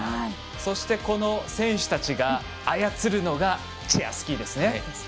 そしてこの選手たちが操るのがチェアスキーですね。